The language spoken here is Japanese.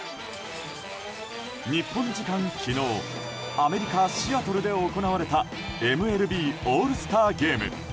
日本時間昨日アメリカ・シアトルで行われたＭＬＢオールスターゲーム。